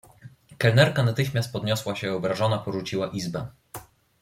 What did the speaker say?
"Kelnerka natychmiast podniosła się i obrażona porzuciła izbę."